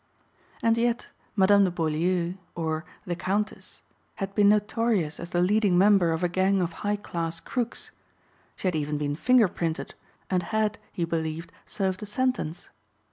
And yet Madame de Beaulieu, or "The Countess," had been notorious as the leading member of a gang of high class crooks. She had even been fingerprinted and had he believed served a sentence.